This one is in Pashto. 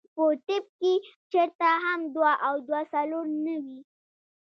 پۀ طب کښې چرته هم دوه او دوه څلور نۀ وي -